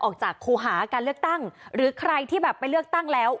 ครูหาการเลือกตั้งหรือใครที่แบบไปเลือกตั้งแล้ว